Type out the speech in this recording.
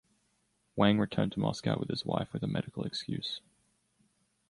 Wang returned to Moscow with his wife with a medical excuse.